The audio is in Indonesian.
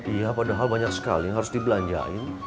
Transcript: iya padahal banyak sekali yang harus dibelanjain